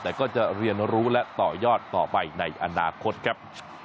แต่ก็จะเรียนรู้และต่อยอดต่อไปในอนาคตครับ